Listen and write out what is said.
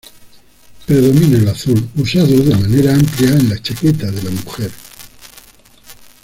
Predomina el azul usada de manera amplia en la chaqueta de la mujer.